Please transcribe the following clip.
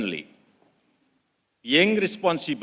menjadi tanggung jawab